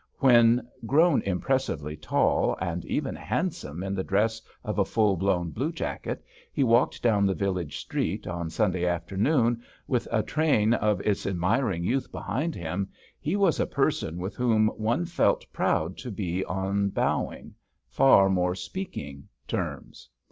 When, grown impressively tall, and even handsome in the dress of a full blown bluejacket, he walked down the village street, on Sunday afternoon, with a train of its admiring youth behind him, he was a person with whom one felt proud so THE SAILOR to be on bowing, far more speaking, terms.